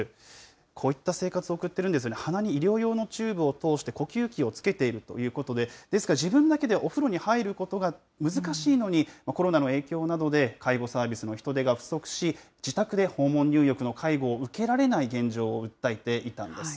こういった生活を送っているんですね、鼻に医療用のチューブを通して、呼吸器をつけているということで、ですから自分だけでお風呂に入ることが難しいのに、コロナの影響などで、介護サービスの人手が不足し、自宅で訪問入浴の介護を受けられない現状を訴えていたんです。